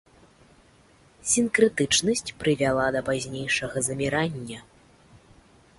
Сінкрэтычнасць прывяла да пазнейшага замірання.